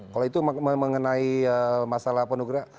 kalau itu mengenai masalah ponugrah